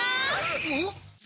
おっ？